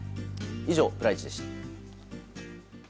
以上、プライチでした。